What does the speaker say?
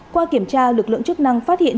qua kiểm tra lực lượng chức năng phát hiện